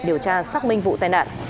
điều tra xác minh vụ tai nạn